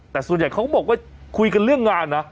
แต่ส่วนใหญ่เขาก็บอกว่าคุยกันเรื่องงานนะ